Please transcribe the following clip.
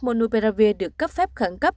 monopiravir được cấp phép khẩn cấp